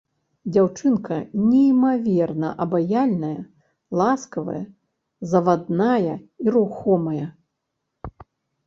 Дзяўчынка неймаверна абаяльная, ласкавая, завадная і рухомая.